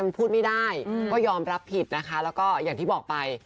พูดไม่ได้ก็ยอมรับผิดนะคะแล้วก็อย่างที่บอกไป